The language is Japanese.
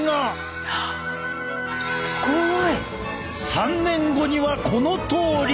すごい！３年後にはこのとおり！